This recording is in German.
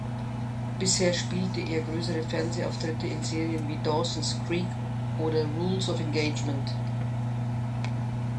Bisher spielte er größere Fernsehauftritte in Serien wie "Dawson’s Creek" oder "Rules of Engagement".